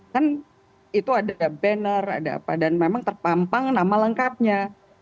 kan itu ada banner dan memang terpampang nama lengkapnya